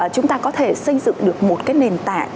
chúng ta có thể xây dựng được một cái nền tảng